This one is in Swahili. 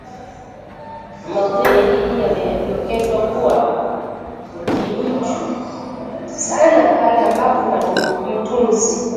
Maudhui ya dini yamedokezwa kwa kiduchu sana pale ambapo mtunzi